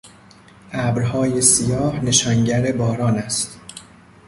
ابرهای سیاه نشانگر باران است.